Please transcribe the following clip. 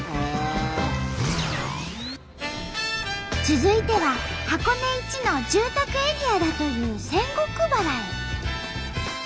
続いては箱根一の住宅エリアだという仙石原へ。